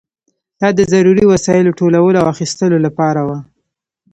دا د ضروري وسایلو ټولولو او اخیستلو لپاره وه.